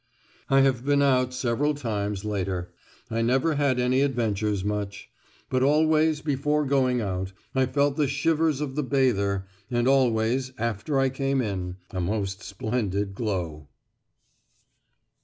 I have been out several times later. I never had any adventures much. But always, before going out, I felt the shivers of the bather; and always, after I came in, a most splendid glow.